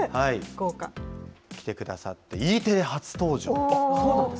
来てくださって、Ｅテレ初登場。